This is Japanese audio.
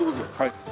はい。